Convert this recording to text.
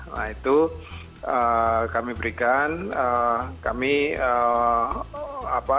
nah itu kami berikan kami apa